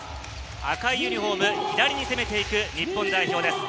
赤いユニホーム、左に攻めていく日本代表です。